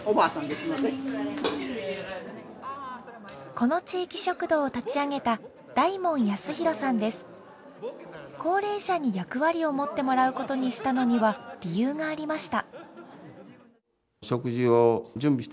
この地域食堂を立ち上げた高齢者に役割を持ってもらうことにしたのには理由がありました。